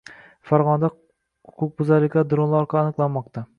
Farg‘onada huquqbuzarliklar dronlar orqali aniqlanmoqda